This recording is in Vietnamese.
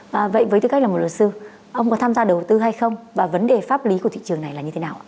và vậy với tư cách là một luật sư ông có tham gia đầu tư hay không và vấn đề pháp lý của thị trường này là như thế nào